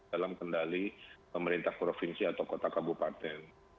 dalam kendali pemerintah provinsi atau kota kabupaten